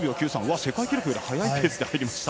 世界記録より速いペースで入りました。